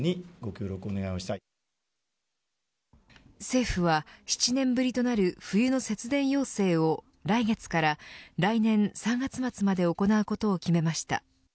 政府は７年ぶりとなる冬の節電要請を来月から来年３月末まで行うことを決めました。